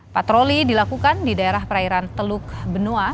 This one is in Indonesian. patroli dilakukan di daerah perairan teluk benoa